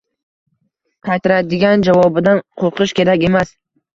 qaytaradigan javobidan qo‘rqish kerak emas.